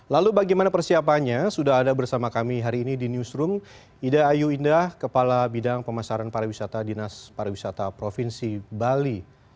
lalu bagaimana persiapannya sudah ada bersama kami hari ini di newsroom ida ayu indah kepala bidang pemasaran pariwisata dinas pariwisata provinsi bali